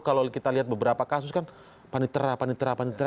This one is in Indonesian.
kalau kita lihat beberapa kasus kan panitera panitera panitera